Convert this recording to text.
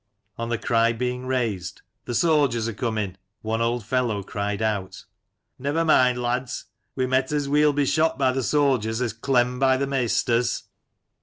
On the cry being raised, " th' soldiers are coming !" one old fellow cried out: "Never mind, lads, we met as weel be shot by th' soldiers as clemmed by th' maisters